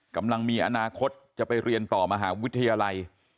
กำลังมีอนาคตจะไปเรียนต่อมหาวิทยาลัย